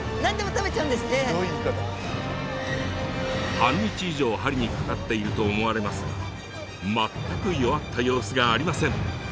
半日以上針に掛かっていると思われますが全く弱った様子がありません。